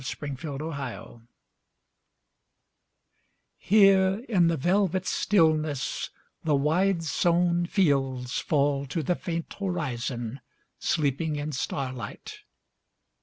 THE INDIA WHARF HERE in the velvet stillness The wide sown fields fall to the faint horizon, Sleeping in starlight.